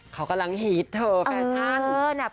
เขากำลังฮีตเธอแฟนช้าง